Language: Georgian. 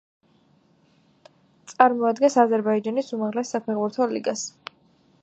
წარმოადგენს აზერბაიჯანის უმაღლეს საფეხბურთო ლიგას.